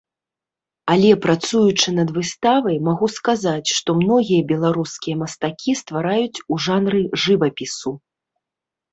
Але, працуючы над выставай, магу сказаць, што многія беларускія мастакі ствараюць у жанры жывапісу.